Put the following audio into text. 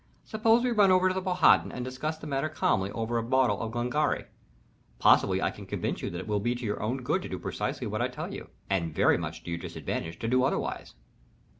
Suppose we run over to the Powhatan and discuss the matter calmly over a bottle of Glengarry? Possibly I can convince you that it will be for your own good to do precisely as I tell you and very much to your disadvantage to do otherwise."